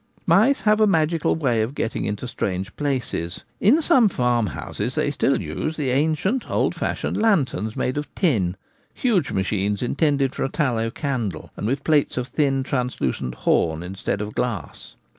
Mice have a magical way of getting into strange places. In some farmhouses they still use the ancient, old fashioned lanterns made of tin — huge machines intended for a tallow candle, and with plates of thin 4 translucent horn instead of glass.